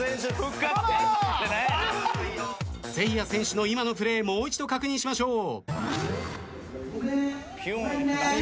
せいや選手の今のプレーもう一度確認しましょう。